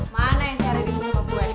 mana yang cari ribet sama gue